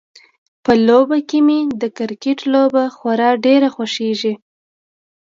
په لوبو کې مې د کرکټ لوبه خورا ډیره خوښیږي